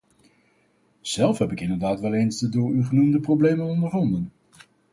Zelf heb ik inderdaad wel eens de door u genoemde problemen ondervonden.